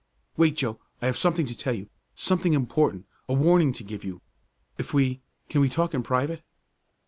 "Wait, Joe, I have something to tell you something important a warning to give you. If we can we talk in private?"